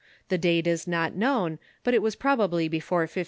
The date is not known, but it was probably before 1538.